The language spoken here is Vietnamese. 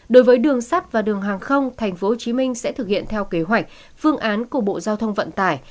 đối với đường sắt và đường hàng không tp hcm sẽ thực hiện theo kế hoạch phương án của bộ giao thông vận tải